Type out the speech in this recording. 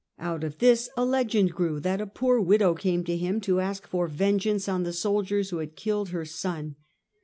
Out of this a legend grew that a poor widow came to him to ask for vengeance on the soldiers Taken as a who had killed her son.